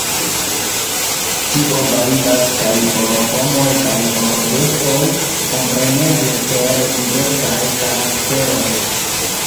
Tio validas kaj por homoj kaj por bestoj, kompreneble per diversaj karakteroj.